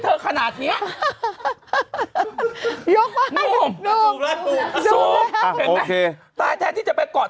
เธอขนาดเนี้ยยกมาให้หนุ่มดูแล้วสูบอ่าโอเคแต่แท้ที่จะไปเกาะ